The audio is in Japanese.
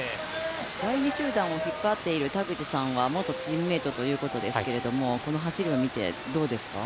第２集団を引っ張っている田口さんは元チームメートということですけどこの走りを見て、どうですか？